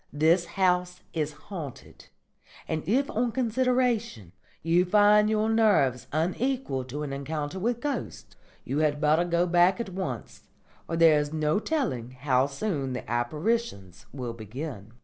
This house is haunted; and if on consideration you find your nerves unequal to an encounter with ghosts, you had better go back at once, for there is no telling how soon the apparitions will begin."